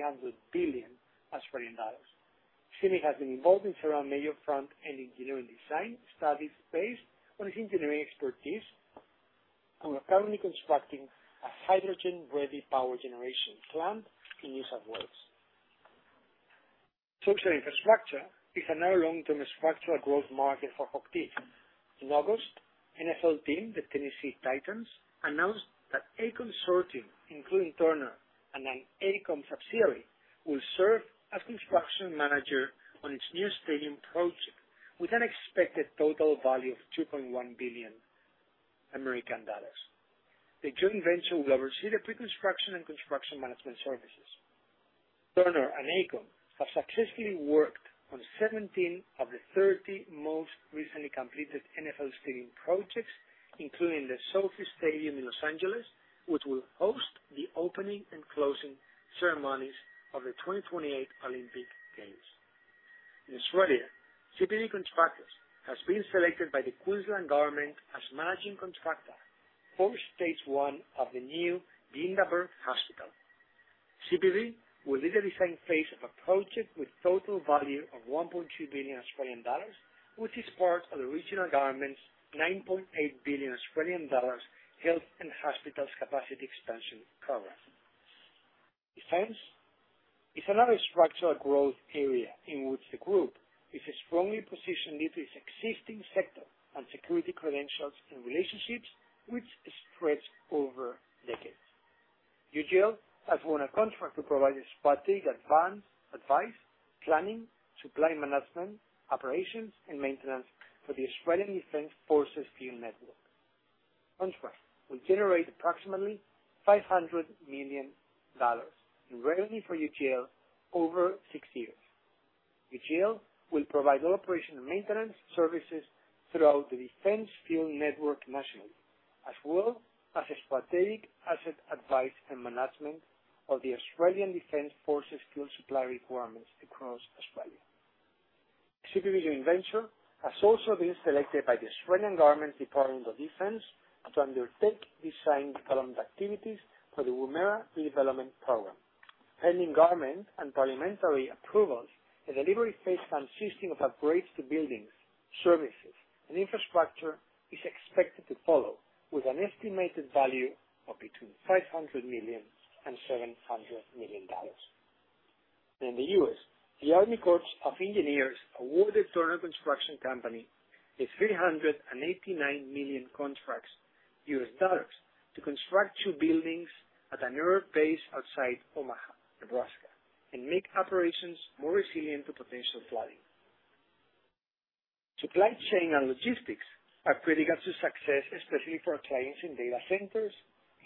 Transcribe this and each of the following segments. up to 300 billion Australian dollars. CIMIC has been involved in several major front-end engineering design studies based on its engineering expertise, and we're currently constructing a hydrogen-ready power generation plant in New South Wales. Social infrastructure is another long-term structural growth market for HOCHTIEF. In August, NFL team, the Tennessee Titans, announced that a consortium, including Turner and an AECOM subsidiary, will serve as construction manager on its new stadium project, with an expected total value of $2.1 billion. The joint venture will oversee the pre-construction and construction management services. Turner and AECOM have successfully worked on 17 of the 30 most recently completed NFL stadium projects, including the SoFi Stadium in Los Angeles, which will host the opening and closing ceremonies of the 2028 Olympic Games. In Australia, CPB Constructors has been selected by the Queensland Government as managing contractor for stage one of the new Bundaberg Hospital. CPB will lead the design phase of a project with total value of 1.2 billion Australian dollars, which is part of the regional government's 9.8 billion Australian dollars health and hospitals capacity expansion program. Defence is another structural growth area in which the group is strongly positioned due to its existing sector and security credentials and relationships, which stretch over decades. UGL has won a contract to provide strategic advance advice, planning, supply management, operations, and maintenance for the Australian Defence Force fuel network. Contract will generate approximately 500 million dollars in revenue for UGL over 6 years. UGL will provide all operation and maintenance services throughout the Defence Fuel Network nationally, as well as a strategic asset advice and management of the Australian Defence Force fuel supply requirements across Australia. CPB joint venture has also been selected by the Australian Government Department of Defence to undertake design development activities for the Woomera Redevelopment Program. Pending government and parliamentary approvals, a delivery phase consisting of upgrades to buildings, services, and infrastructure is expected to follow, with an estimated value of between 500 million and 700 million dollars. In the U.S., the U.S. Army Corps of Engineers awarded Turner Construction Company a $389 million contract to construct two buildings at an air base outside Omaha, Nebraska, and make operations more resilient to potential flooding. Supply chain and logistics are critical to success, especially for our clients in data centers,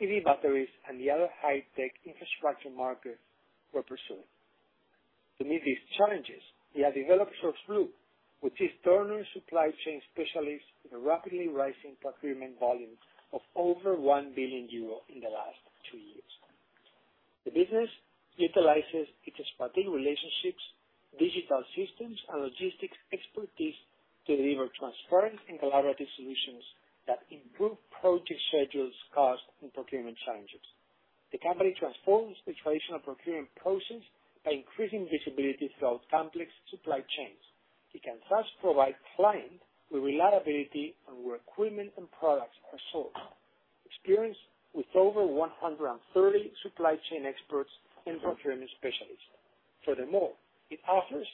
EV batteries, and the other high-tech infrastructure markets we're pursuing. To meet these challenges, we have developed SourceBlue, which is Turner's supply chain specialist in a rapidly rising procurement volume of over 1 billion euro in the last two years. The business utilizes its strategic relationships, digital systems, and logistics expertise to deliver transparent and collaborative solutions that improve project schedules, cost, and procurement challenges. The company transforms the traditional procurement process by increasing visibility throughout complex supply chains. It can thus provide client with reliability on where equipment and products are sourced. Experience with over 130 supply chain experts and procurement specialists. Furthermore, it offers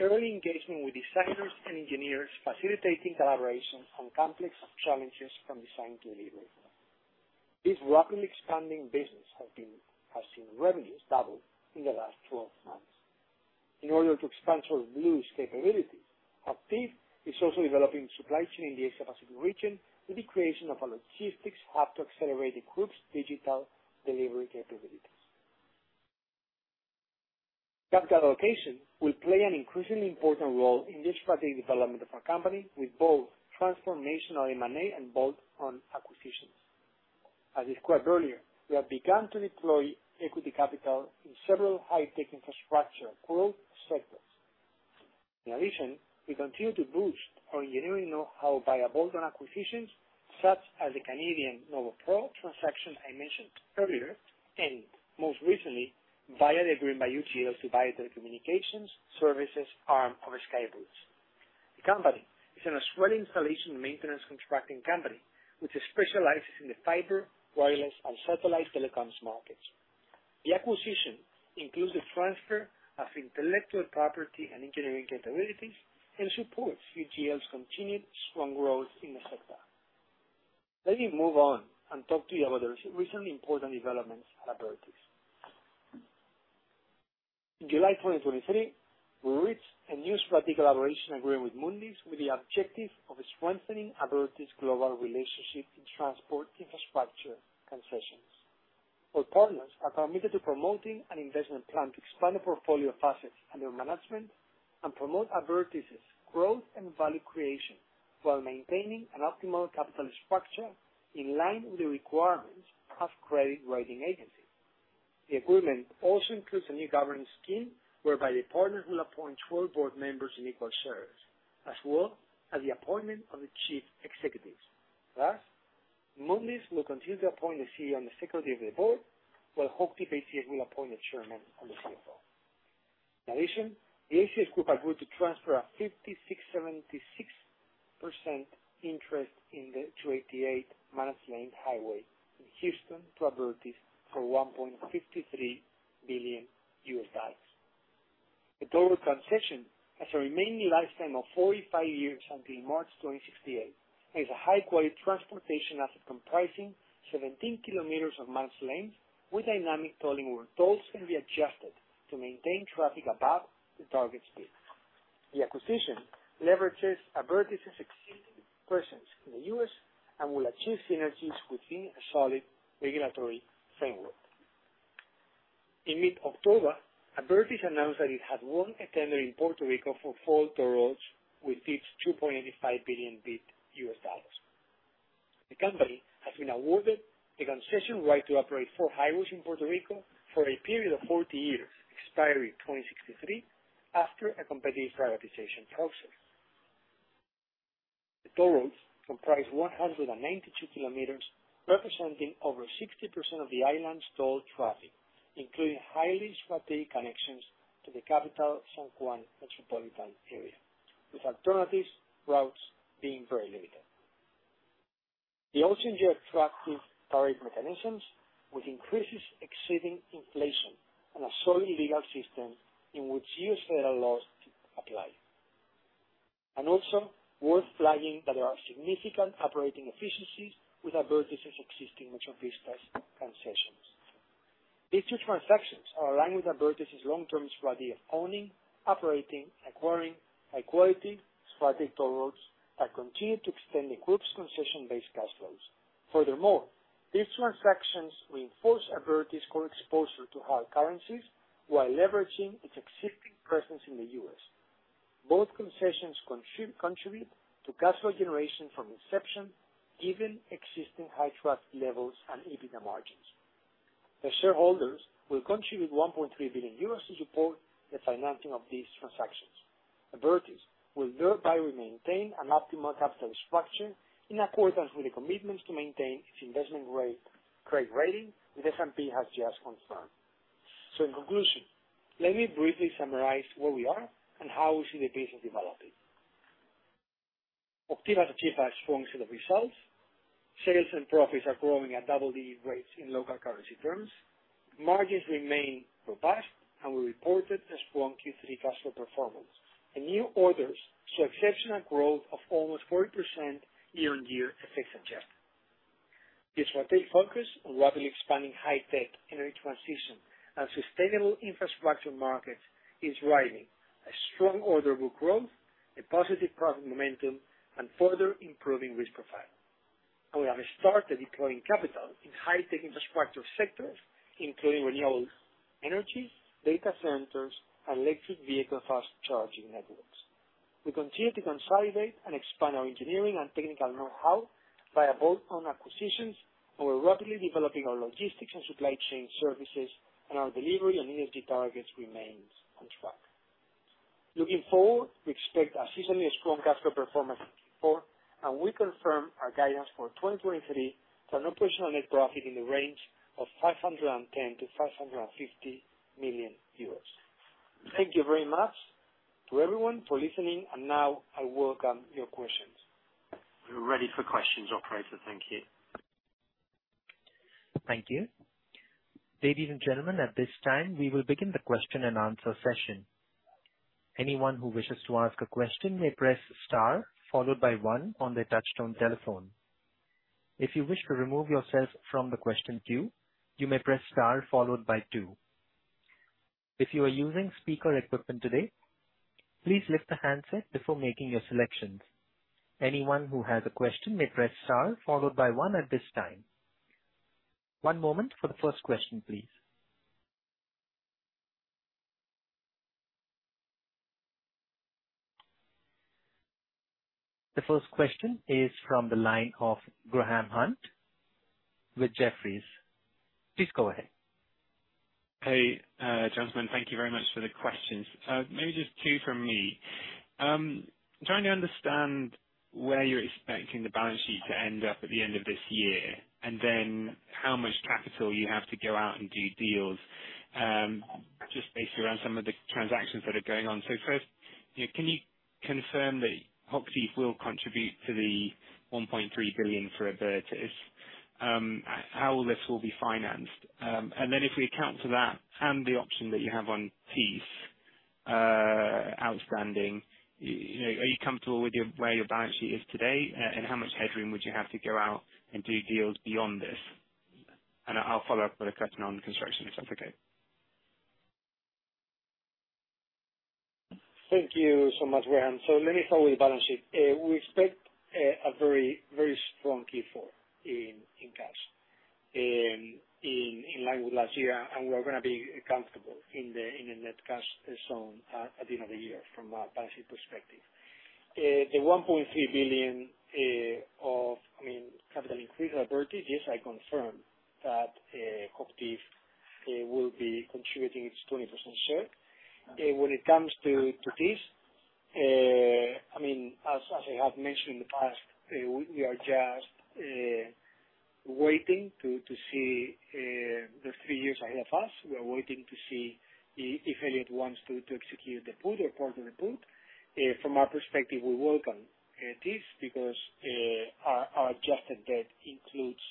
early engagement with designers and engineers, facilitating collaboration on complex challenges from design to delivery. This rapidly expanding business has seen revenues double in the last 12 months. In order to expand SourceBlue's capability, HOCHTIEF is also developing supply chain in the Asia Pacific region with the creation of a logistics hub to accelerate the group's digital delivery capabilities. Capital allocation will play an increasingly important role in the strategic development of our company, with both transformational M&A and bolt-on acquisitions. As described earlier, we have begun to deploy equity capital in several high-tech infrastructure growth sectors. In addition, we continue to boost our engineering know-how via bolt-on acquisitions, such as the Canadian NovoPro transaction I mentioned earlier, and most recently, via the agreement by UGL to buy the communications services arm of Skybridge. The company is an Australian installation, maintenance, and construction company, which specializes in the fiber, wireless, and satellite telecoms markets. The acquisition includes the transfer of intellectual property and engineering capabilities and supports UGL's continued strong growth in the sector. Let me move on and talk to you about the recent important developments at Abertis. In July 2023, we reached a new strategic collaboration agreement with Mundys, with the objective of strengthening Abertis' global relationship in transport infrastructure concessions. Our partners are committed to promoting an investment plan to expand the portfolio of assets under management and promote Abertis' growth and value creation, while maintaining an optimal capital structure in line with the requirements of credit rating agencies. The agreement also includes a new governance scheme, whereby the partners will appoint 12 board members in equal shares, as well as the appointment of the chief executives. Thus-... Mundys will continue to appoint a CEO and the Secretary of the Board, while HOCHTIEF AG will appoint a Chairman and the CFO. In addition, the ACS Group agreed to transfer a 56.76% interest in the SH-288 managed lane highway in Houston to Abertis for $1.53 billion. The total concession has a remaining lifetime of 45 years until March 2068, and is a high-quality transportation asset comprising 17 km of managed lanes with dynamic tolling, where tolls can be adjusted to maintain traffic above the target speed. The acquisition leverages Abertis's existing presence in the U.S. and will achieve synergies within a solid regulatory framework. In mid-October, Abertis announced that it had won a tender in Puerto Rico for four toll roads, with each $2.85 billion bid. The company has been awarded the concession right to operate four highways in Puerto Rico for a period of 40 years, expiring 2063, after a competitive privatization process. The toll roads comprise 192 km, representing over 60% of the island's toll traffic, including highly strategic connections to the capital, San Juan metropolitan area, with alternative routes being very limited. They also enjoy attractive tariff mechanisms, with increases exceeding inflation and a solid legal system in which U.S. federal laws apply. Also, worth flagging that there are significant operating efficiencies with Abertis's existing Metropistas concessions. These two transactions are aligned with Abertis's long-term strategy of owning, operating, acquiring high-quality strategic toll roads that continue to extend the group's concession-based cash flows. Furthermore, these transactions reinforce Abertis' core exposure to hard currencies while leveraging its existing presence in the U.S. Both concessions contribute to cash flow generation from inception, given existing high traffic levels and EBITDA margins. The shareholders will contribute 1.3 billion euros to support the financing of these transactions. Abertis will thereby maintain an optimal capital structure in accordance with the commitment to maintain its investment grade credit rating, which S&P has just confirmed. So in conclusion, let me briefly summarize where we are and how we see the business developing. HOCHTIEF has achieved a strong set of results. Sales and profits are growing at double-digit rates in local currency terms. Margins remain robust, and we reported a strong Q3 cash flow performance. New orders saw exceptional growth of almost 40% year-on-year, FX adjusted. The strategic focus on rapidly expanding high-tech energy transition and sustainable infrastructure markets is driving a strong order book growth, a positive profit momentum, and further improving risk profile. We have started deploying capital in high-tech infrastructure sectors, including renewables, energy, data centers, and electric vehicle fast charging networks. We continue to consolidate and expand our engineering and technical know-how via bolt-on acquisitions, and we're rapidly developing our logistics and supply chain services, and our delivery on ESG targets remains on track. Looking forward, we expect a seasonally strong cash flow performance in Q4, and we confirm our guidance for 2023 to an operational net profit in the range of 510 million-550 million euros. Thank you very much to everyone for listening, and now I welcome your questions. We're ready for questions, operator. Thank you. Thank you. Ladies and gentlemen, at this time, we will begin the question-and-answer session. Anyone who wishes to ask a question may press star followed by one on their touchtone telephone. If you wish to remove yourself from the question queue, you may press star followed by two. If you are using speaker equipment today, please lift the handset before making your selections. Anyone who has a question may press star followed by one at this time. One moment for the first question, please. The first question is from the line of Graham Hunt with Jefferies. Please go ahead. Hey, gentlemen, thank you very much for the questions. Maybe just two from me. Trying to understand where you're expecting the balance sheet to end up at the end of this year, and then how much capital you have to go out and do deals, just based around some of the transactions that are going on. So first, you know, can you confirm that HOCHTIEF will contribute to the 1.3 billion for Abertis? How will this all be financed? And then if we account for that and the option that you have on Thiess, outstanding, you know, are you comfortable with your, where your balance sheet is today, and how much headroom would you have to go out and do deals beyond this? And I'll follow up with a question on construction, if that's okay. Thank you so much, Graham. Let me start with the balance sheet. We expect a very, very strong Q4 in cash, in line with last year, and we are gonna be comfortable in the net cash zone at the end of the year from a balance sheet perspective. The 1.3 billion of, I mean, capital increase Abertis, yes, I confirm that, HOCHTIEF will be contributing its 20% share. When it comes to, I mean, as I have mentioned in the past, we are just waiting to see the three years ahead of us. We are waiting to see if Elliott wants to execute the put or part of the put. From our perspective, we welcome this because our adjusted debt includes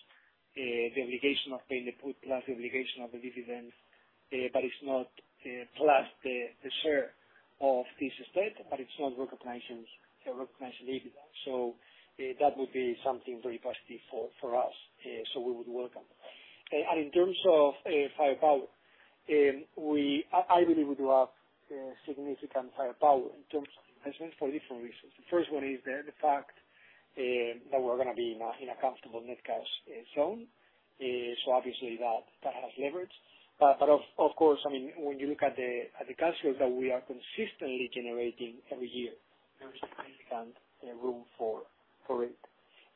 the obligation of paying the put, plus the obligation of the dividends, but it's not plus the share of this stake, but it's not recognized in EBITDA. So, that would be something very positive for us, so we would welcome. And in terms of firepower, I believe we do have significant firepower in terms of investment for different reasons. The first one is the fact that we're gonna be in a comfortable net cash zone. So obviously that has leverage. But of course, I mean, when you look at the cash flows that we are consistently generating every year, there is significant room for it.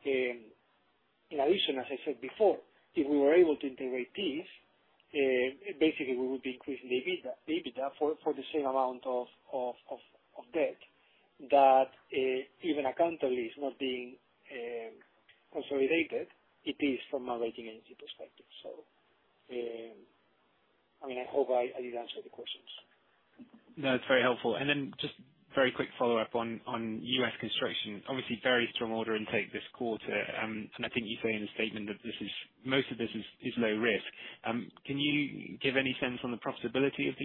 In addition, as I said before, if we were able to integrate this, basically we would be increasing the EBITDA for the same amount of debt that even accountably is not being consolidated. It is from a rating agency perspective. So, I mean, I hope I did answer the questions. No, it's very helpful. And then just very quick follow-up on U.S. construction. Obviously, very strong order intake this quarter, and I think you say in the statement that this is... most of this is low risk. Can you give any sense on the profitability of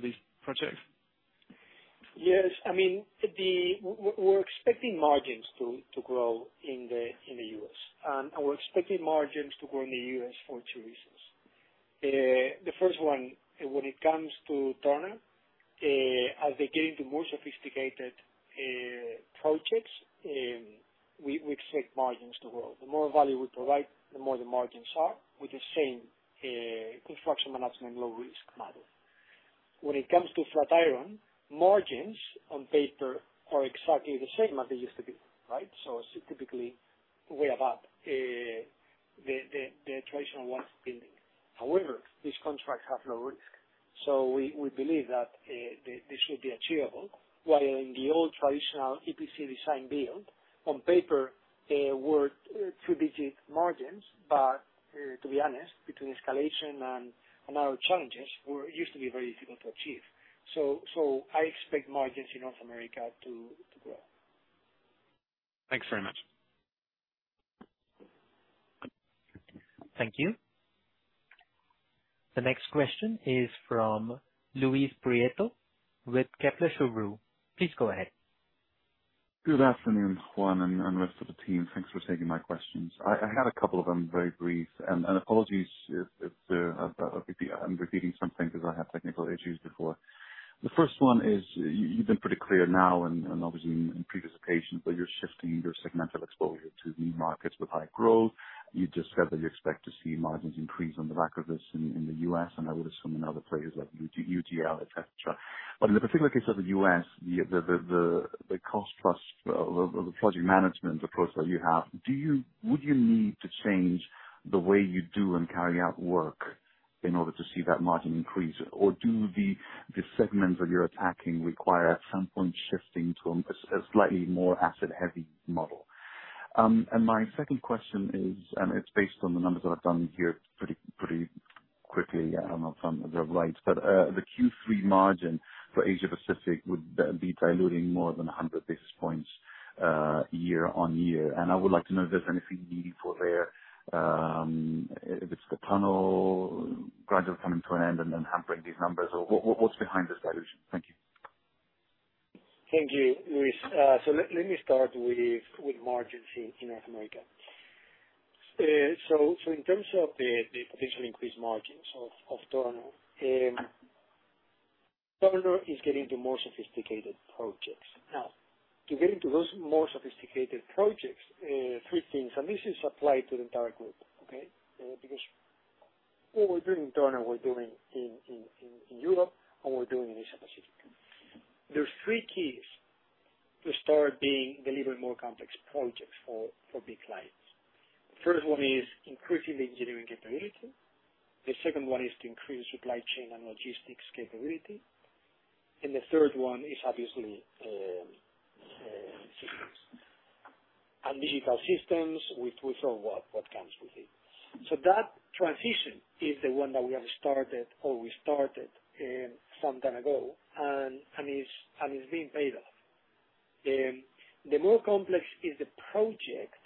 these projects? Yes. I mean, we're expecting margins to grow in the U.S., and we're expecting margins to grow in the U.S. for two reasons. The first one, when it comes to Turner, as they get into more sophisticated projects, we expect margins to grow. The more value we provide, the more the margins are, with the same construction management low risk model. When it comes to Flatiron, margins on paper are exactly the same as they used to be, right? So typically, we have the traditional one building. However, these contracts have no risk, so we believe that this should be achievable, while in the old traditional EPC design-build, on paper, were two-digit margins, but to be honest, between escalation and other challenges, it used to be very difficult to achieve. So I expect margins in North America to grow. Thanks very much. Thank you. The next question is from Luis Prieto with Kepler Cheuvreux. Please go ahead. Good afternoon, Juan, and the rest of the team. Thanks for taking my questions. I had a couple of them, very brief, and apologies if I'm repeating something because I had technical issues before. The first one is, you've been pretty clear now and obviously in previous occasions, that you're shifting your segmental exposure to the markets with high growth. You just said that you expect to see margins increase on the back of this in the U.S., and I would assume in other places like UGL, et cetera. But in the particular case of the U.S., the cost plus, the project management approach that you have, do you... would you need to change the way you do and carry out work in order to see that margin increase? Or do the segments that you're attacking require, at some point, shifting to a slightly more asset-heavy model? And my second question is, it's based on the numbers that I've done here pretty quickly. I don't know if I'm quite right. But the Q3 margin for Asia Pacific would be diluting more than 100 basis points year-on-year. And I would like to know if there's anything unique for there, if it's the tunnel gradually coming to an end and then hampering these numbers, or what's behind this dilution? Thank you. Thank you, Luis. So let me start with margins in North America. So in terms of the potential increased margins of Turner, Turner is getting into more sophisticated projects. Now, to get into those more sophisticated projects, three things, and this is applied to the entire group, okay? Because what we're doing in Turner, we're doing in Europe, and we're doing in Asia Pacific. There are three keys to start doing the little more complex projects for big clients. First one is increasing the engineering capability, the second one is to increase supply chain and logistics capability, and the third one is obviously systems, and digital systems with what comes with it. So that transition is the one that we have started, or we started, some time ago, and it's being paid off. The more complex is the project,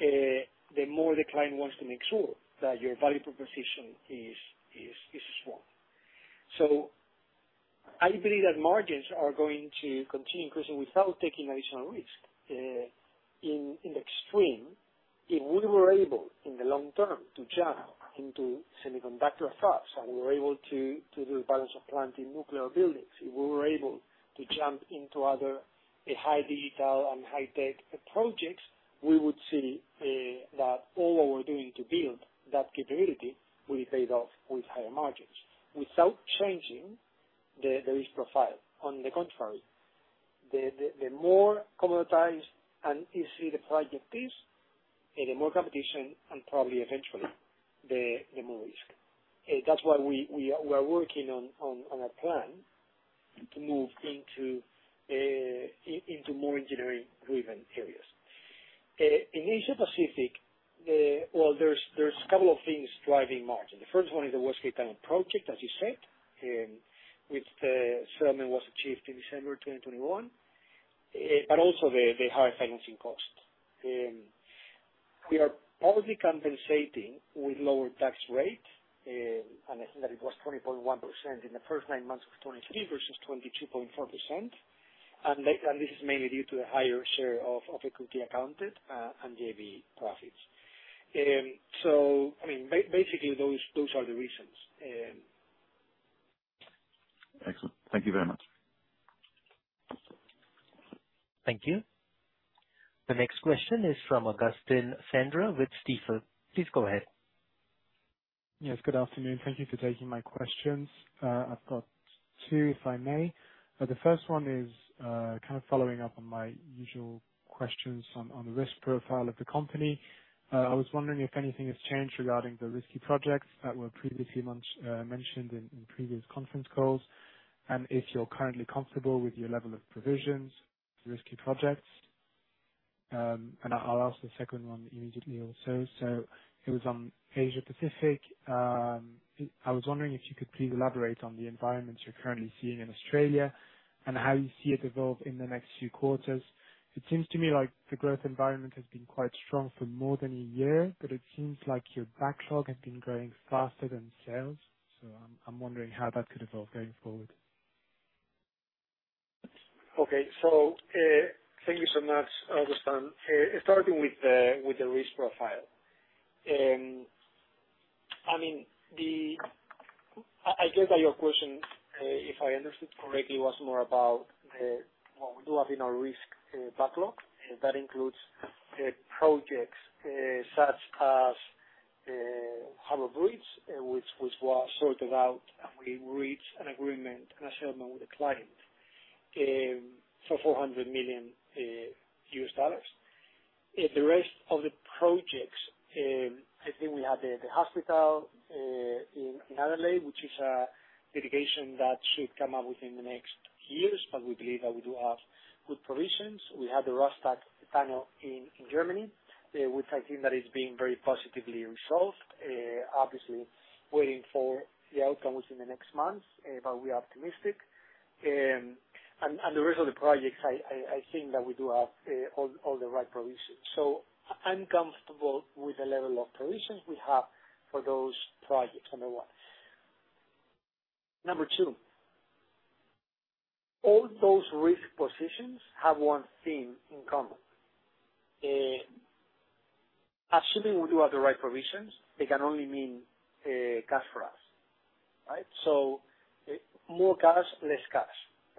the more the client wants to make sure that your value proposition is strong. So I believe that margins are going to continue increasing without taking additional risk. In extreme, if we were able, in the long term, to jump into semiconductor fabs, and we were able to do balance of plant in nuclear buildings, if we were able to jump into other high digital and high tech projects, we would see that all what we're doing to build that capability will be paid off with higher margins, without changing the risk profile. On the contrary, the more commoditized and easy the project is-... The more competition, and probably eventually, the more risk. That's why we are working on a plan to move into more engineering-driven areas. In Asia Pacific, well, there's a couple of things driving margin. The first one is the West Gate Tunnel project, as you said, which the settlement was achieved in December 2021, but also the higher financing cost. We are partly compensating with lower tax rate, and I think that it was 20.1% in the first nine months of 2023 versus 22.4%. And this is mainly due to the higher share of equity accounted and the JV profits. So, I mean, basically, those are the reasons. Excellent. Thank you very much. Thank you. The next question is from Augustin Cendre with Stifel. Please go ahead. Yes, good afternoon. Thank you for taking my questions. I've got two, if I may. The first one is kind of following up on my usual questions on, on the risk profile of the company. I was wondering if anything has changed regarding the risky projects that were previously mentioned, mentioned in, in previous conference calls, and if you're currently comfortable with your level of provisions to risky projects? And I'll, I'll ask the second one immediately also. So it was on Asia Pacific. I was wondering if you could please elaborate on the environments you're currently seeing in Australia, and how you see it evolve in the next few quarters. It seems to me like the growth environment has been quite strong for more than a year, but it seems like your backlog has been growing faster than sales, so I'm wondering how that could evolve going forward. Okay. So, thank you so much, Augustin. Starting with the risk profile. I mean, I get that your question, if I understood correctly, was more about the, well, we do have in our risk backlog, and that includes projects such as Harbour Bridge, which was well sorted out, and we reached an agreement and a settlement with the client, for $400 million. The rest of the projects, I think we have the hospital in Adelaide, which is a litigation that should come up within the next years, but we believe that we do have good provisions. We have the Rastatt Tunnel panel in Germany, which I think that is being very positively resolved. Obviously, waiting for the outcomes in the next months, but we are optimistic. The rest of the projects, I think that we do have all the right provisions. So I'm comfortable with the level of provisions we have for those projects, number one. Number two, all those risk positions have one thing in common, assuming we do have the right provisions, they can only mean cash for us, right? So, more cash, less cash,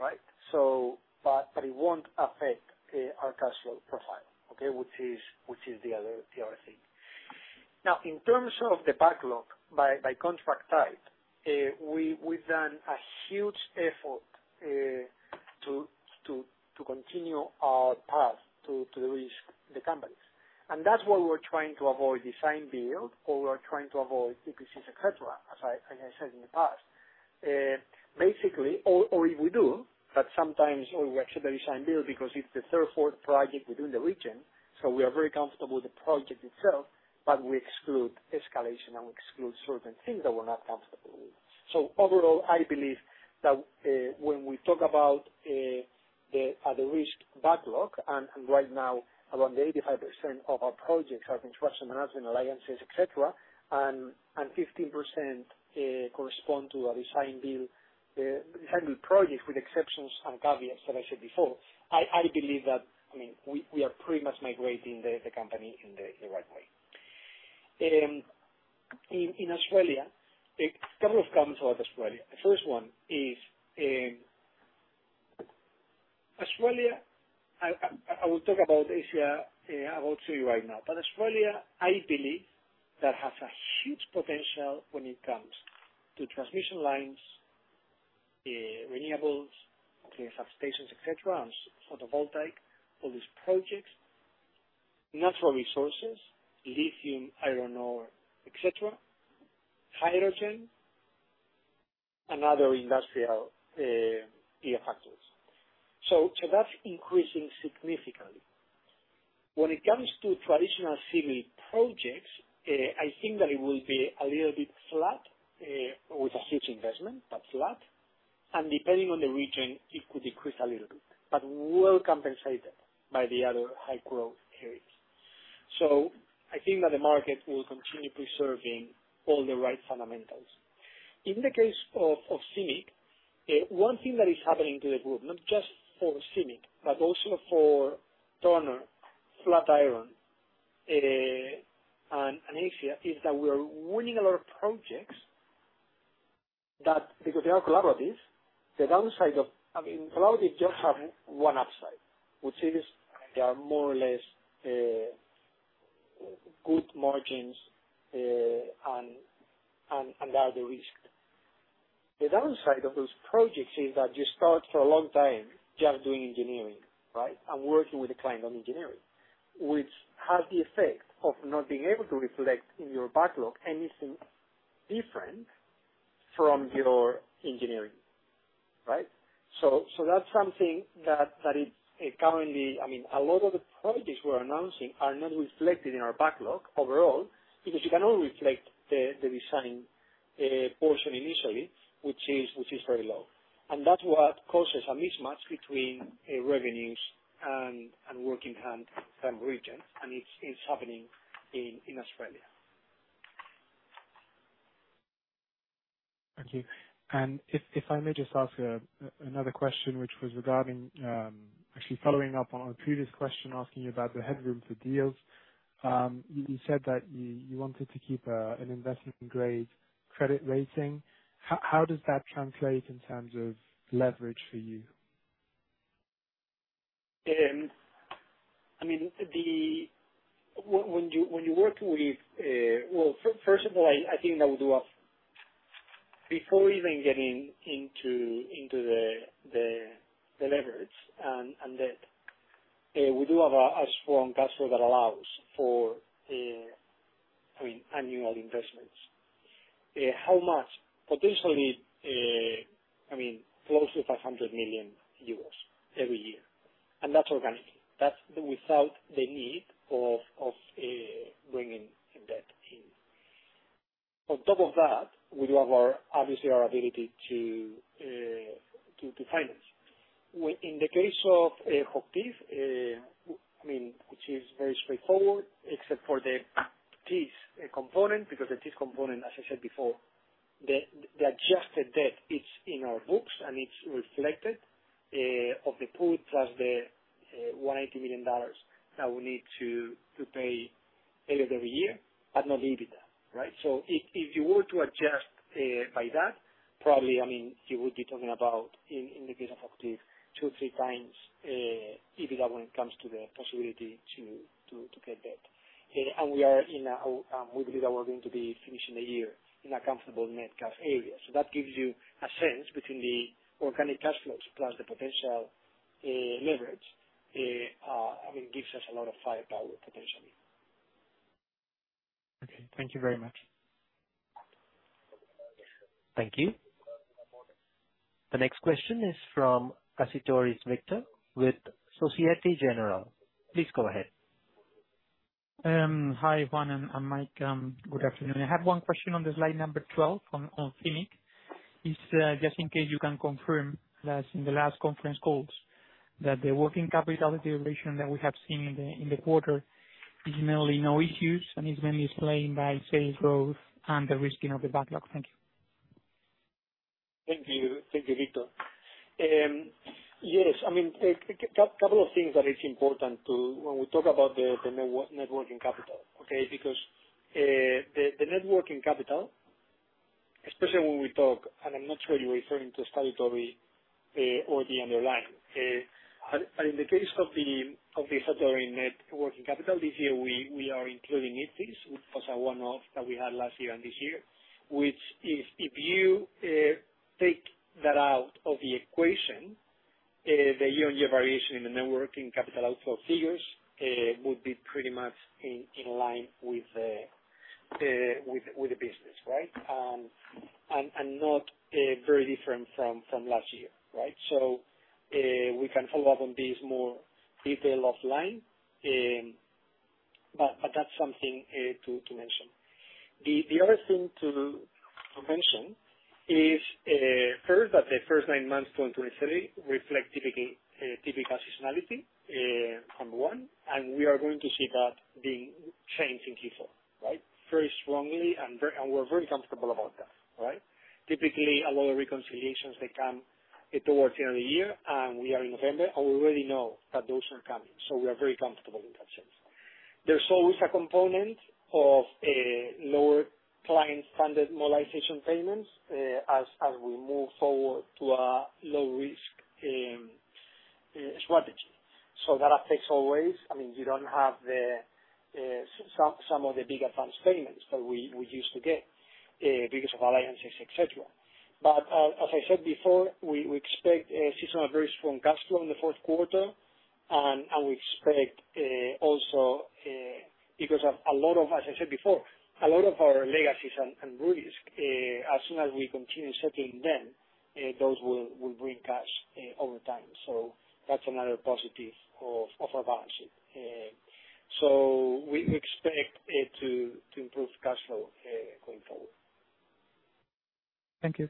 right? So, but it won't affect our cash flow profile, okay? Which is the other thing. Now, in terms of the backlog by contract type, we've done a huge effort to continue our path to de-risk the companies. And that's why we're trying to avoid design-build, or we're trying to avoid EPCs, et cetera, as I said in the past. Basically, if we do, but sometimes we actually design-build because it's the third or fourth project within the region, so we are very comfortable with the project itself, but we exclude escalation, and we exclude certain things that we're not comfortable with. So overall, I believe that when we talk about the risk backlog, and right now, around 85% of our projects are construction management alliances, et cetera, and 15% correspond to a design-build project, with exceptions and caveats, as I said before. I believe that, I mean, we are pretty much migrating the company in the right way. In Australia, a couple of comments about Australia. The first one is, Australia, I will talk about Asia, I will tell you right now. But Australia, I believe, that has a huge potential when it comes to transmission lines, renewables, okay, substations, et cetera, and photovoltaic, all these projects. Natural resources, lithium, iron ore, et cetera, hydrogen, and other industrial sectors. So that's increasing significantly. When it comes to traditional civil projects, I think that it will be a little bit flat, with a huge investment, but flat, and depending on the region, it could decrease a little bit, but we'll compensate that by the other high growth areas. So I think that the market will continue preserving all the right fundamentals. In the case of CIMIC, one thing that is happening to the group, not just for CIMIC, but also for Turner, Flatiron, and Asia, is that we are winning a lot of projects that because they are collaboratives, the downside of... I mean, collaborative just have one upside, which is they are more or less good margins and lower the risk. The downside of those projects is that you start for a long time just doing engineering, right? And working with the client on engineering, which has the effect of not being able to reflect in your backlog anything different from your engineering, right? So that's something that is currently, I mean, a lot of the projects we're announcing are not reflected in our backlog overall, because you can only reflect the design portion initially, which is very low. And that's what causes a mismatch between revenues and work in hand from region, and it's happening in Australia. Thank you. And if, if I may just ask, another question, which was regarding, actually following up on a previous question, asking you about the headroom for deals. You said that you, you wanted to keep, an investment grade credit rating. How, how does that translate in terms of leverage for you? I mean, when you, when you're working with, well, first of all, I think that we do have, before even getting into the leverage and debt, we do have a strong cash flow that allows for, I mean, annual investments. How much? Potentially, I mean, close to 100 million euros every year, and that's organically. That's without the need of bringing in debt. On top of that, we do have our, obviously, our ability to finance. In the case of HOCHTIEF, I mean, which is very straightforward, except for the Thiess component, because the Thiess component, as I said before, the adjusted debt is in our books, and it's reflected of the put, plus the $180 million that we need to pay end of the year, but not EBITDA, right? So if you were to adjust by that, probably, I mean, you would be talking about, in the case of HOCHTIEF, 2x-3x EBITDA when it comes to the possibility to get debt. And we are in a, we believe that we're going to be finishing the year in a comfortable net cash area. So that gives you a sense between the organic cash flows plus the potential leverage, I mean, gives us a lot of firepower, potentially. Okay. Thank you very much. Thank you. The next question is from Víctor Acitores with Société Générale. Please go ahead. Hi, Juan and Mike. Good afternoon. I have one question on the slide number 12 on Flatiron. It's just in case you can confirm, as in the last conference calls, that the working capital deviation that we have seen in the quarter is mainly no issues, and it's been explained by sales growth and the risking of the backlog. Thank you. Thank you. Thank you, Victor. Yes, I mean, a couple of things that is important to when we talk about the net working capital, okay? Because, the net working capital, especially when we talk, and I'm not sure you're referring to statutory or the underlying. But in the case of the statutory net working capital, this year, we are including Thiess, which was a one-off that we had last year and this year. Which is, if you take that out of the equation, the year-on-year variation in the net working capital outflow figures would be pretty much in line with the business, right? And not very different from last year, right? So, we can follow up on this more detail offline, but that's something to mention. The other thing to mention is, first, that the first nine months 2023 reflect typical seasonality, number one, and we are going to see that being changed in Q4, right? Very strongly, and we're very comfortable about that, right? Typically, a lot of reconciliations, they come towards the end of the year, and we are in November, and we already know that those are coming. So we are very comfortable in that sense. There's always a component of lower client standard mobilization payments as we move forward to a low risk strategy. So that affects always. I mean, you don't have some of the big advance payments that we used to get because of alliances, et cetera. But, as I said before, we expect to see some very strong cash flow in the fourth quarter, and we expect also, because of a lot of, as I said before, a lot of our legacies and risks, as soon as we continue settling them, those will bring cash over time. So that's another positive of our balance sheet. So we expect to improve cash flow going forward. Thank you.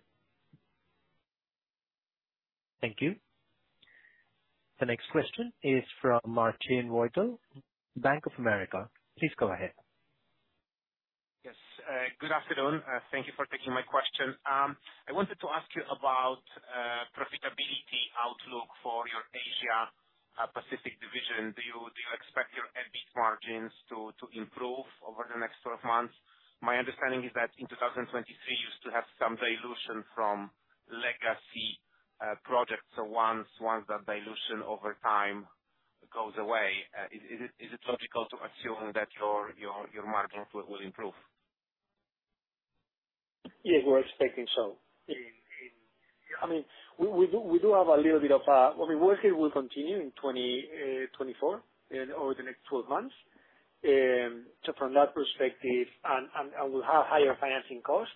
Thank you. The next question is from Marcin Wojtal, Bank of America. Please go ahead. Yes, good afternoon. Thank you for taking my question. I wanted to ask you about profitability outlook for your Asia Pacific division. Do you expect your EBIT margins to improve over the next 12 months? My understanding is that in 2023, you still have some dilution from legacy projects. So once that dilution over time-... goes away, is it logical to assume that your margins will improve? Yeah, we're expecting so. I mean, we do have a little bit of. I mean, work here will continue in 2024 and over the next 12 months. So from that perspective, and we'll have higher financing costs,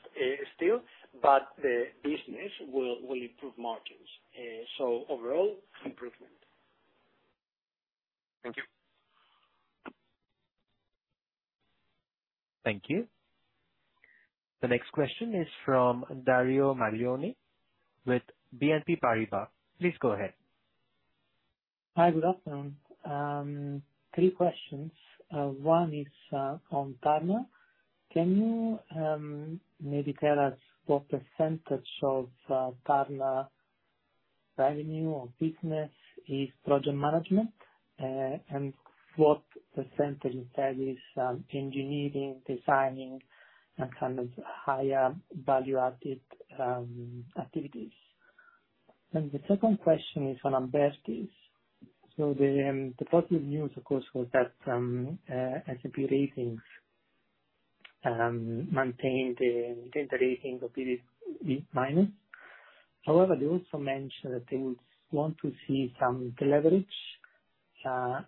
still, but the business will improve margins, so overall, improvement. Thank you. Thank you. The next question is from Dario Maglione with BNP Paribas. Please go ahead. Hi, good afternoon. Three questions. One is on Turner. Can you maybe tell us what percentage of Turner revenue or business is project management? And what percentage that is engineering, designing, and kind of higher value-added activities? And the second question is on Abertis. So the positive news, of course, was that S&P ratings maintained the rating of BB minus. However, they also mentioned that they would want to see some deleverage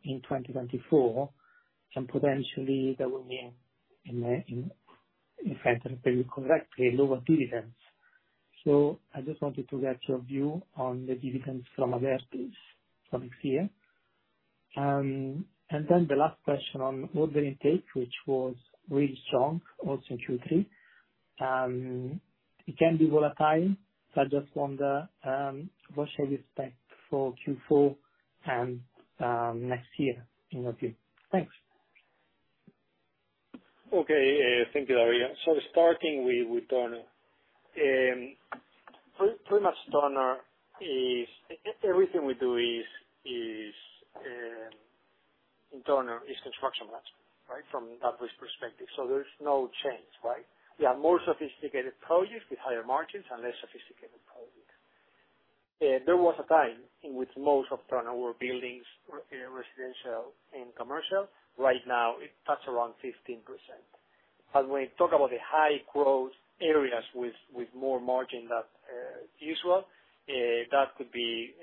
in 2024, and potentially that would mean, if I understand correctly, lower dividends. So I just wanted to get your view on the dividends from Abertis from here. And then the last question on order intake, which was really strong, also in Q3. It can be volatile, so I just wonder, what should we expect for Q4 and, next year in your view? Thanks. Okay, thank you, Dario. So starting with Turner. Pretty much everything we do in Turner is construction management, right? From that risk perspective, so there is no change, right? We have more sophisticated projects with higher margins and less sophisticated projects. There was a time in which most of Turner were buildings, residential and commercial. Right now, it's around 15%. As we talk about the high growth areas with more margin than usual that could be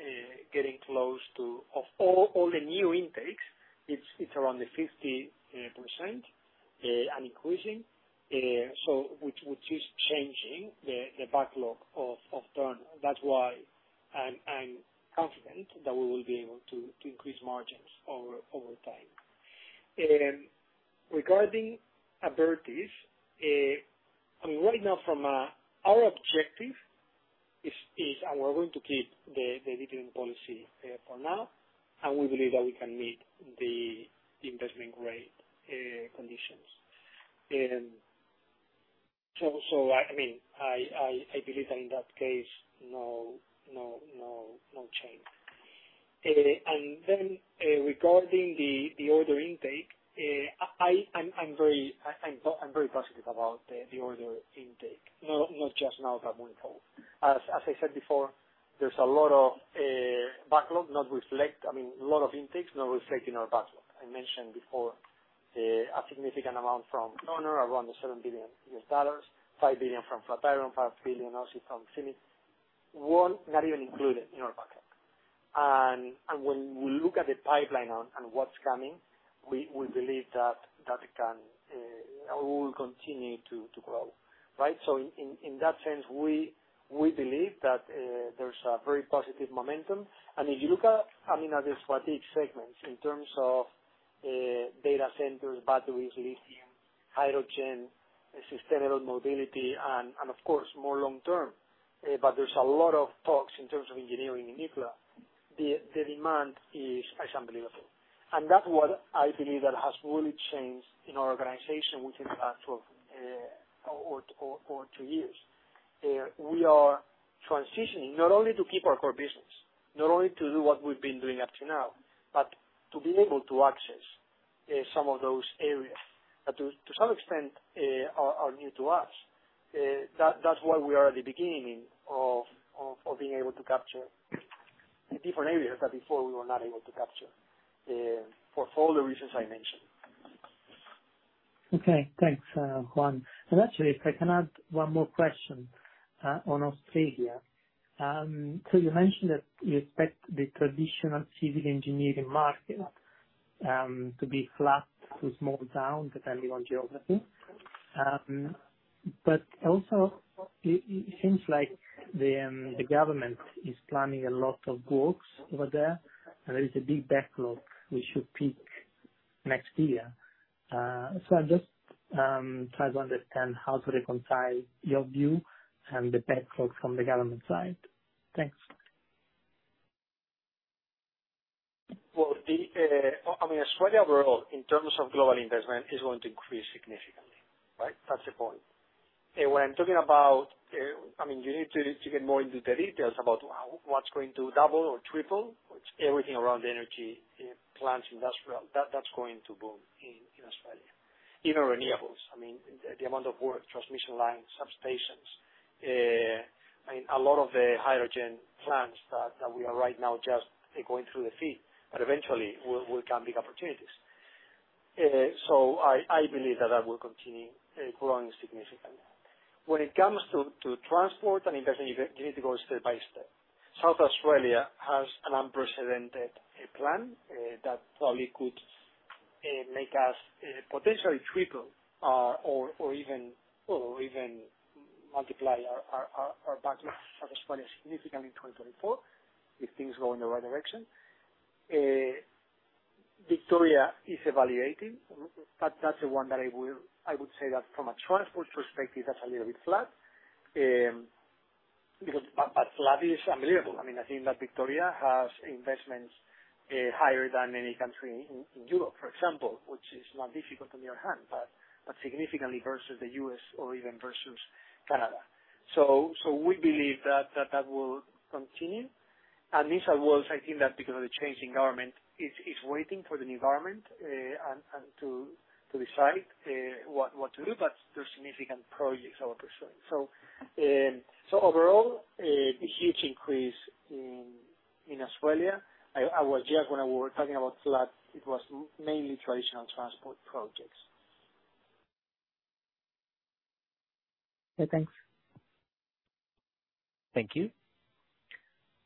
getting close to... Of all the new intakes, it's around the 50%, and increasing, so which is changing the backlog of Turner. That's why I'm confident that we will be able to increase margins over time. Regarding Abertis, I mean, right now from a... Our objective is, and we're going to keep the dividend policy for now, and we believe that we can meet the investment grade conditions. So, I mean, I believe that in that case, no change. Then, regarding the order intake, I'm very positive about the order intake. Not just now, but going forward. As I said before, there's a lot of backlog not reflected. I mean, a lot of intakes not reflected in our backlog. I mentioned before, a significant amount from Turner, around the $7 billion, $5 billion from Flatiron, $5 billion also from CIMIC, were not even included in our backlog. And when we look at the pipeline and what's coming, we believe that it can or will continue to grow, right? So in that sense, we believe that there's a very positive momentum. And if you look at, I mean, at the strategic segments in terms of data centers, batteries, lithium, hydrogen, sustainable mobility, and of course, more long term, but there's a lot of talks in terms of engineering in nuclear. The demand is unbelievable. And that's what I believe that has really changed in our organization within the past 12 or 2 years. We are transitioning not only to keep our core business, not only to do what we've been doing up to now, but to be able to access some of those areas that to some extent are new to us. That's why we are at the beginning of being able to capture the different areas that before we were not able to capture for all the reasons I mentioned. Okay. Thanks, Juan. And actually, if I can add one more question on Australia. So you mentioned that you expect the traditional civil engineering market to be flat to small down, depending on geography. But also, it seems like the government is planning a lot of works over there, and there is a big backlog, which should peak next year. So I'll just try to understand how to reconcile your view and the backlog from the government side. Thanks. Well, the... I mean, Australia overall, in terms of global investment, is going to increase significantly, right? That's the point. When I'm talking about, I mean, you need to get more into the details about what's going to double or triple, which everything around energy, plants, industrial, that's going to boom.... even renewables, I mean, the amount of work, transmission lines, substations, I mean, a lot of the hydrogen plants that we are right now just going through the FEED, but eventually will come big opportunities. So I believe that that will continue growing significantly. When it comes to transport and investment, you need to go step by step. South Australia has an unprecedented plan that probably could make us potentially triple or even multiply our backlog in Australia significantly in 2024, if things go in the right direction. Victoria is evaluating, but that's the one that I will, I would say that from a transport perspective, that's a little bit flat. Because, but flat is unbelievable. I mean, I think that Victoria has investments higher than any country in Europe, for example, which is not difficult on the other hand, but significantly versus the U.S. or even versus Canada. So we believe that will continue. And New South Wales, I think that because of the change in government, is waiting for the new government and to decide what to do, but there are significant projects are pursuing. So overall, a huge increase in Australia. I was just when I were talking about flat, it was mainly traditional transport projects. Okay, thanks. Thank you.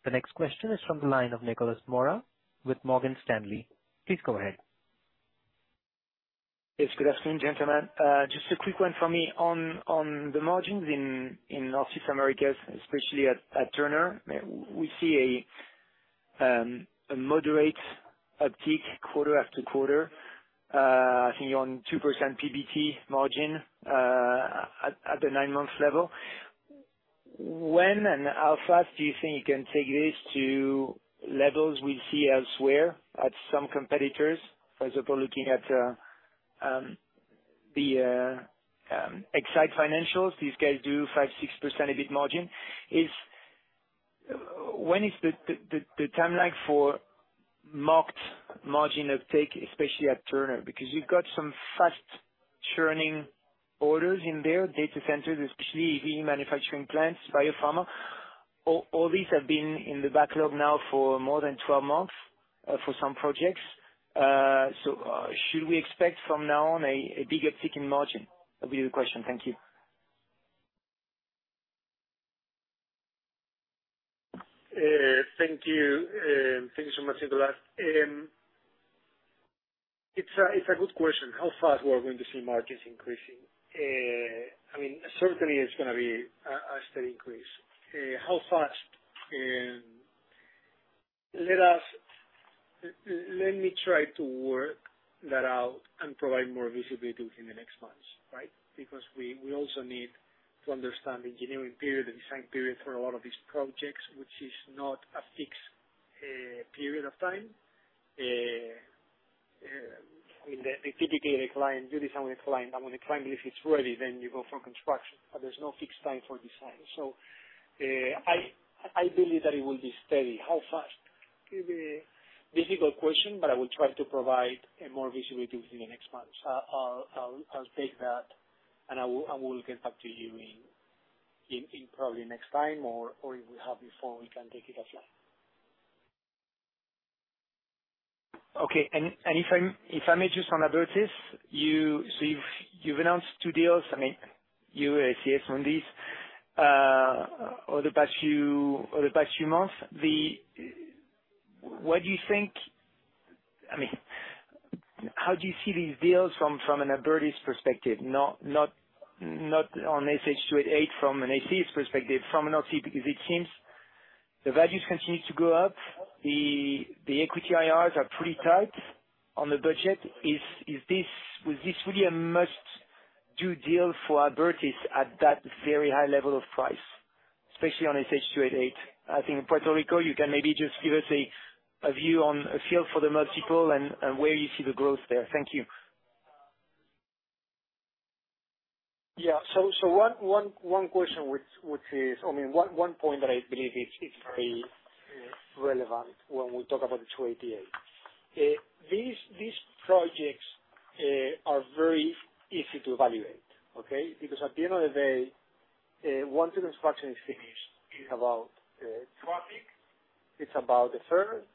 The next question is from the line of Nicolas Mora with Morgan Stanley. Please go ahead. Yes, good afternoon, gentlemen. Just a quick one for me. On the margins in Northeast Americas, especially at Turner, we see a moderate uptick quarter after quarter, I think on 2% PBT margin, at the nine-month level. When and how fast do you think you can take this to levels we see elsewhere at some competitors, as opposed looking at the Exyte financials, these guys do 5%-6% EBIT margin. Is... When is the timeline for marked margin uptake, especially at Turner? Because you've got some fast-churning orders in there, data centers, especially in manufacturing plants, biopharma. All these have been in the backlog now for more than 12 months, for some projects. So, should we expect from now on a bigger tick in margin? That'll be the question. Thank you. Thank you. Thank you so much, Nicolas. It's a good question. How fast we are going to see margins increasing? I mean, certainly it's gonna be a steady increase. How fast? Let me try to work that out and provide more visibility within the next months, right? Because we also need to understand the engineering period, the design period for a lot of these projects, which is not a fixed period of time. I mean, typically the client, you design with a client, and when the client believes it's ready, then you go for construction. But there's no fixed time for design. So, I believe that it will be steady. How fast? It's a difficult question, but I will try to provide more visibility within the next months. I'll take that, and I will get back to you in probably next time, or if we have before, we can take it offline. Okay. If I may just on Abertis, so you've announced two deals, I mean, ACS on these over the past few months. What do you think, I mean, how do you see these deals from an Abertis's perspective, not from an ACS perspective, from a HOCHTIEF? Because it seems the values continue to go up, the equity IRRs are pretty tight on the budget. Was this really a must-do deal for Abertis at that very high level of price, especially on SH-288? I think Puerto Rico, you can maybe just give us a view on a feel for the multiple and where you see the growth there. Thank you. Yeah. So one question which is, I mean, one point that I believe is very relevant when we talk about the SH-288. These projects are very easy to evaluate, okay? Because at the end of the day, once the construction is finished, it's about traffic, it's about the service,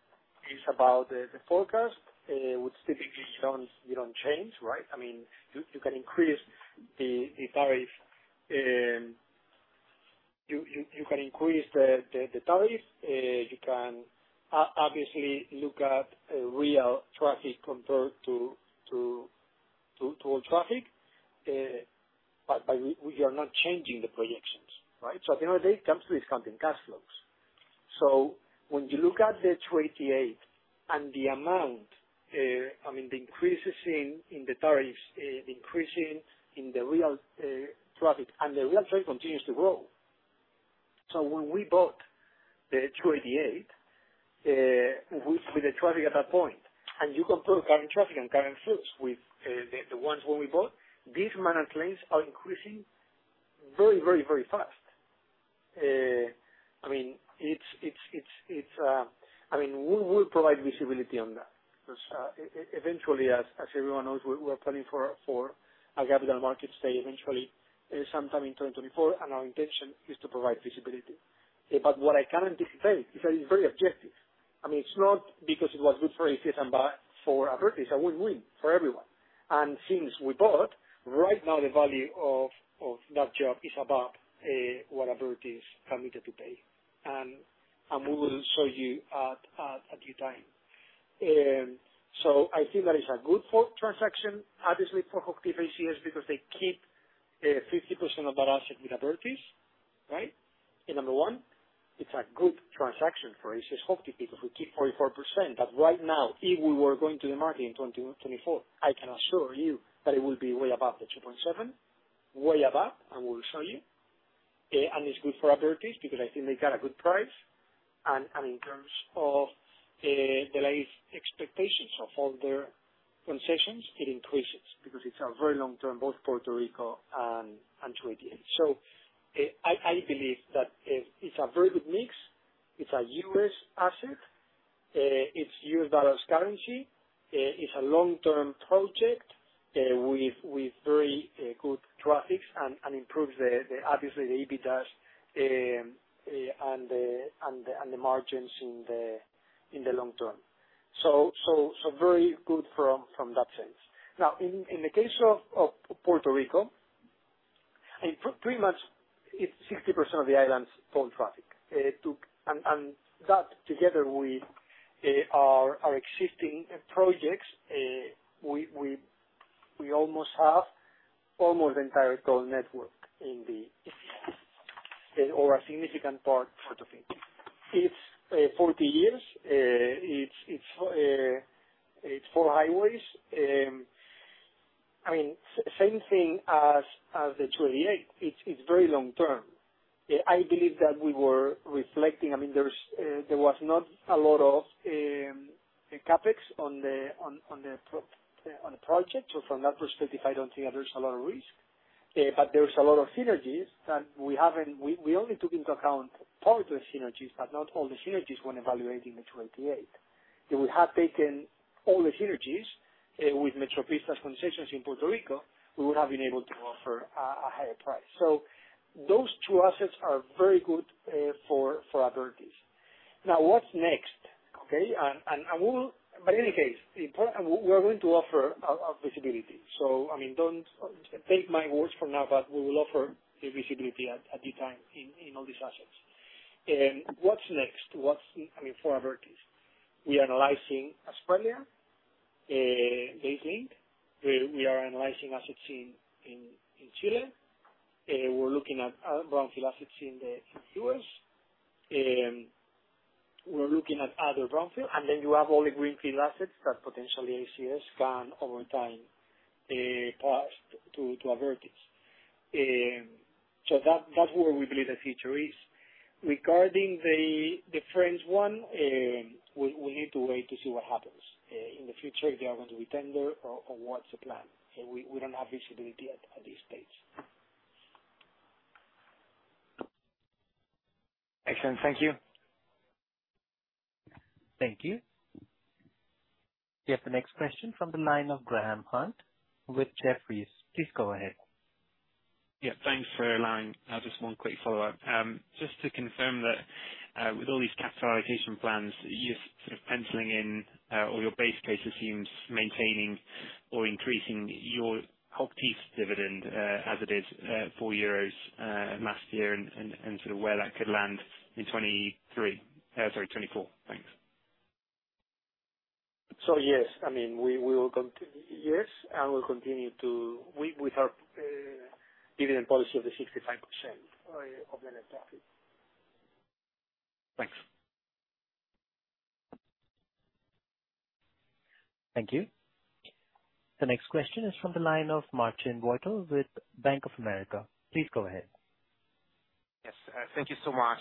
it's about the forecast, which typically don't, you don't change, right? I mean, you can increase the tariff. You can increase the tariff, you can obviously look at real traffic compared to all traffic, but we are not changing the projections, right? So at the end of the day, it comes to discounting cash flows. So when you look at the SH-288 and the amount, I mean, the increases in the tariffs, increasing in the real traffic, and the real traffic continues to grow. So when we bought the SH-288, with the traffic at that point, and you compare current traffic and current flows with the ones when we bought, these managed lanes are increasing very, very, very fast. I mean, it's, we will provide visibility on that, because eventually, as everyone knows, we are planning for a Capital Market Day eventually, sometime in 2024, and our intention is to provide visibility. But what I can anticipate is that it's very objective. I mean, it's not because it was good for ACS and bad for Abertis. It's a win-win for everyone. Since we bought, right now, the value of that job is about what Abertis committed to pay. And we will show you at due time. So I think that is a good transaction, obviously, for HOCHTIEF ACS, because they keep 50% of that asset with Abertis, right? Number one, it's a good transaction for ACS HOCHTIEF, because we keep 44%, but right now, if we were going to the market in 2024, I can assure you that it will be way above the 2.7, way above, I will show you. And it's good for Abertis, because I think they got a good price, and in terms of the latest expectations of all their concessions, it increases, because it's a very long term, both Puerto Rico and 2028. So, I believe that it's a very good mix. It's a U.S. asset. It's U.S. dollars currency. It's a long-term project with very good traffic and improves obviously the EBITDA and the margins in the long term. So very good from that sense. Now, in the case of Puerto Rico, it's pretty much 60% of the island's toll traffic. To... And that together with our existing projects, we almost have the entire toll network in the island or a significant part, so to speak. It's 40 years, it's four highways. I mean, same thing as the SH-288, it's very long term. I believe that we were reflecting... I mean, there's there was not a lot of CapEx on the project. So from that perspective, I don't think there's a lot of risk. But there's a lot of synergies that we haven't... We only took into account part of the synergies, but not all the synergies when evaluating the SH-288. If we had taken all the synergies with Metropistas concessions in Puerto Rico, we would have been able to offer a higher price. So those two assets are very good for Abertis. Now, what's next? Okay, and we'll... But in any case, important, we are going to offer a visibility. So I mean, don't take my words for now, but we will offer the visibility at the time in all these assets. What's next? What's... I mean, for Abertis, we're analyzing Australia, they think. We are analyzing assets in Chile. We're looking at brownfield assets in the U.S. We're looking at other brownfield, and then you have all the greenfield assets that potentially ACS can, over time, pass to Abertis. So that, that's where we believe the future is. Regarding the French one, we need to wait to see what happens in the future, if they are going to tender or what's the plan. We don't have visibility at this stage. Excellent. Thank you. Thank you. We have the next question from the line of Graham Hunt with Jefferies. Please go ahead. Yeah, thanks for allowing. Just one quick follow-up. Just to confirm that, with all these capital allocation plans, you're sort of penciling in, or your base case assumes maintaining or increasing your HOCHTIEF dividend, as it is, 4 euros last year, and sort of where that could land in 2023, sorry, 2024. Thanks. So, yes. I mean, we will, yes, and we'll continue to... We have dividend policy of the 65% of the net profit. Thanks. Thank you. The next question is from the line of Marcin Wojtal with Bank of America. Please go ahead. Yes, thank you so much.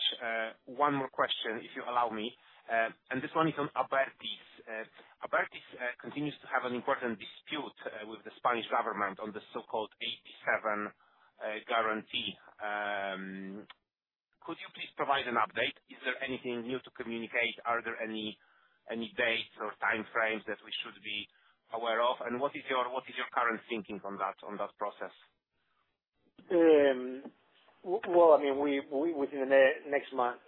One more question, if you allow me, and this one is on Abertis. Abertis continues to have an important dispute with the Spanish government on the so-called AP-7 guarantee. Could you please provide an update? Is there anything new to communicate? Are there any dates or timeframes that we should be aware of? And what is your current thinking on that process? Well, I mean, we within the next month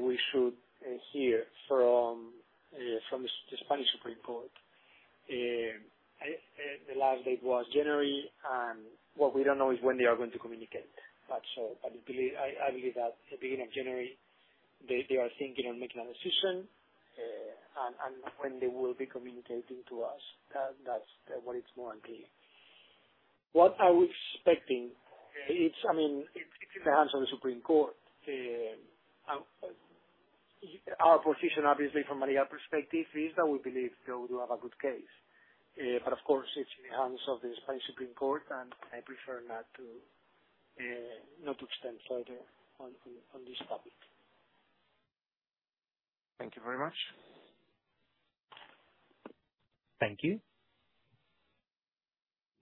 we should hear from the Spanish Supreme Court. The last date was January, and what we don't know is when they are going to communicate. But I believe that the beginning of January, they are thinking of making a decision, and when they will be communicating to us, that's what is more unclear. What are we expecting? I mean, it's in the hands of the Supreme Court. Our position, obviously, from my perspective, is that we believe we do have a good case, but of course, it's in the hands of the Spanish Supreme Court, and I prefer not to extend further on this topic. Thank you very much. Thank you.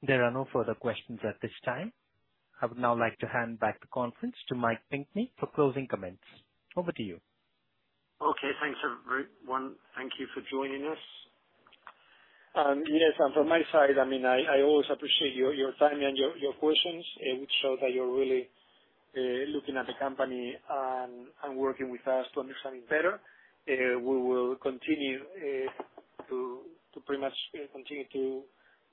There are no further questions at this time. I would now like to hand back the conference to Mike Pinkney for closing comments. Over to you. Okay, thanks, everyone. Thank you for joining us. And yes, and from my side, I mean, I, I always appreciate your, your time and your, your questions, which show that you're really, looking at the company and, and working with us to understand it better. We will continue, to, to pretty much, continue to,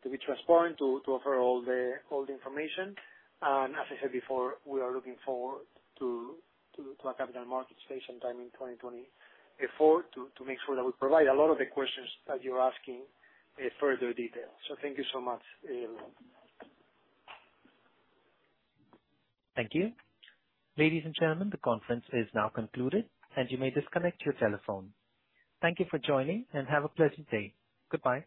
to be transparent, to, to offer all the, all the information. And as I said before, we are looking forward to a Capital Market Day time in 2024, to, to make sure that we provide a lot of the questions that you're asking in further detail. So thank you so much. Thank you. Ladies and gentlemen, the conference is now concluded, and you may disconnect your telephone. Thank you for joining, and have a pleasant day. Goodbye.